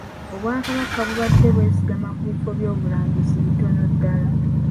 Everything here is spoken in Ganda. Obwakabaka bubadde bwesigama ku bifo by'obulambuzi bitono ddala.